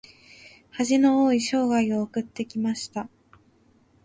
恥の多い生涯を送ってきました。